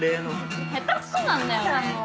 下手くそなんだよね。